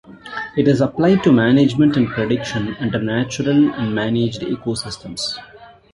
It is applied to management and prediction under natural and managed ecosystems.